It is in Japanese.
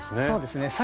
そうですね。